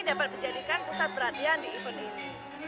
dapat dijadikan pusat perhatian di event ini